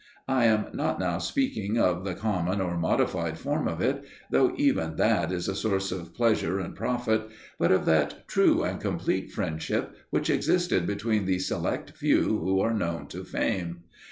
I am not now speaking of the common or modified form of it, though even that is a source of pleasure and profit, but of that true and complete friendship which existed between the select few who are known to fame.